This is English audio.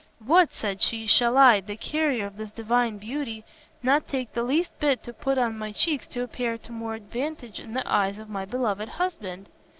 "What," said she, "shall I, the carrier of this divine beauty, not take the least bit to put on my cheeks to appear to more advantage in the eyes of my beloved husband!"